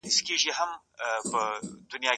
هوا د فعالیت پر کچه مستقیم اغېز لري.